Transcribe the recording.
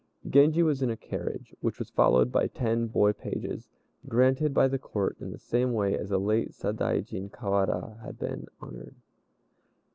Genji was in a carriage, which was followed by ten boy pages, granted by the Court in the same way as a late Sadaijin, Kawara, had been honored.